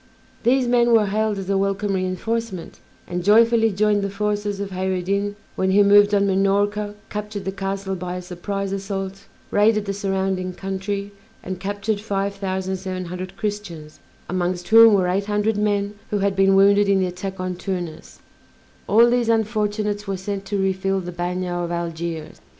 These men were hailed as a welcome reinforcement, and joyfully joined the forces of Kheyr ed Din when he moved on Minorca, captured the castle by a surprise assault, raided the surrounding country, and captured five thousand seven hundred Christians, amongst whom were eight hundred men who had been wounded in the attack on Tunis all these unfortunates were sent to refill the bagnio of Algiers.